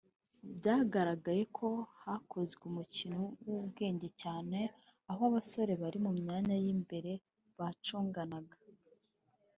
byagaragaye ko hakozwe umukino w’ubwenge cyane aho abasore bari mu myanya y’imbere bacunganaga